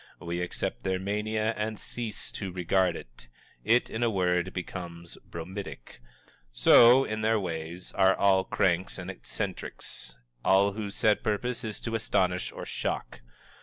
We accept their mania and cease to regard it; it, in a word, becomes bromidic. So, in their ways, are all cranks and eccentrics, all whose set purpose is to astonish or to shock.